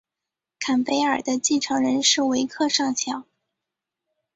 坎贝尔的继承人是维克上校。